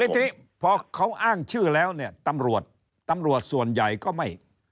ทีนี้พอเขาอ้างชื่อแล้วเนี่ยตำรวจตำรวจส่วนใหญ่ก็ไม่